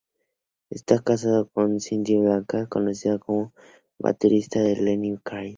Está casado con Cindy Blackman, conocida por ser baterista de Lenny Kravitz.